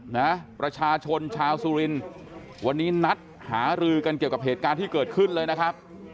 นะประชาชนชาวสุรินทร์วันนี้นัดหารือกันเกี่ยวกับเหตุการณ์ที่เกิดขึ้นเลยนะครับ